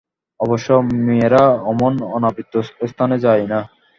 অবশ্য মেয়েরা অমন অনাবৃত স্থানে যায় না।